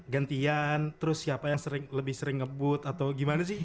gantian terus siapa yang lebih sering ngebut atau gimana sih